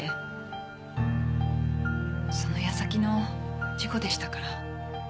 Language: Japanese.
その矢先の事故でしたから。